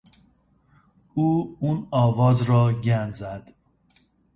او آن آواز را گند زد.